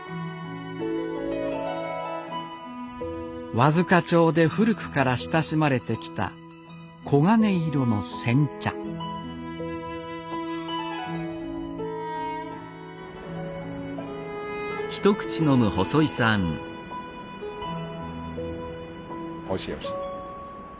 和束町で古くから親しまれてきた黄金色の煎茶おいしいおいしい。